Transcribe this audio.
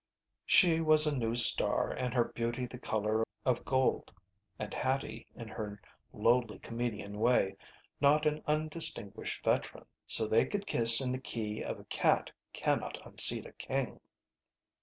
She was a new star and her beauty the color of cloth of gold, and Hattie in her lowly comedian way not an undistinguished veteran. So they could kiss in the key of a cat cannot unseat a king.